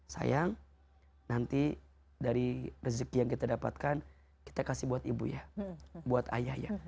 sayang nanti dari rezeki yang kita dapatkan kita kasih buat ibu ya buat ayah ya